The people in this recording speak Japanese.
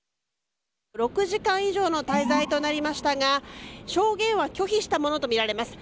６時間以上の滞在となりましたが証言は拒否したものとみられます。